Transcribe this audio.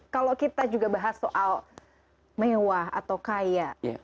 kalau kita juga bahas soal mewah atau kaya